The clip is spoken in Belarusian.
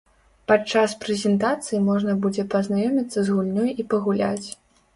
Падчас прэзентацыі можна будзе пазнаёміцца з гульнёй і пагуляць!